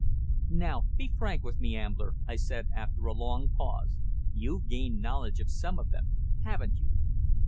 "Now, be frank with me, Ambler," I said, after a long pause. "You've gained knowledge of some of them, haven't you?"